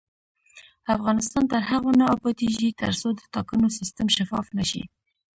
افغانستان تر هغو نه ابادیږي، ترڅو د ټاکنو سیستم شفاف نشي.